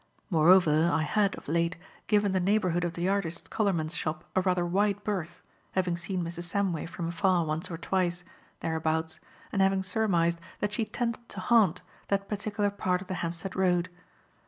Moreover, I had, of late, given the neighbourhood of the artist's colourman's shop a rather wide berth, having seen Mrs. Samway from afar once or twice, thereabouts, and having surmised that she tended to haunt, that particular part of the Hampstead Road.